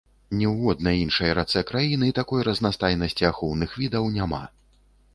Ні ў воднай іншай рацэ краіны такой разнастайнасці ахоўных відаў няма.